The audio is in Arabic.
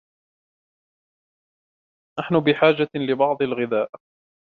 نحن بحاجة لبعض الغذاء.